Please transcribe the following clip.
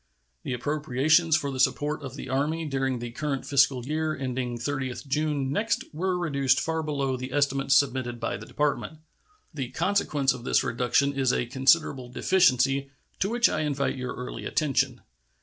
The appropriations for the support of the Army during the current fiscal year ending 30th June next were reduced far below the estimate submitted by the Department. The consequence of this reduction is a considerable deficiency, to which I invite your early attention.